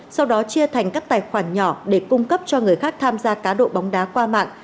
sau đó chia thành các tài khoản nhỏ để cung cấp cho người khác tham gia cá độ bóng đá qua mạng